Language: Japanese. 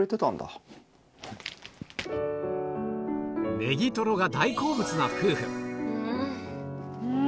ネギトロが大好物な夫婦ん！